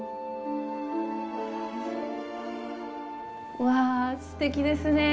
うわぁ、すてきですね！